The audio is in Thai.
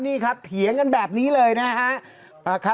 นี่ครับเถียงกันแบบนี้เลยนะครับ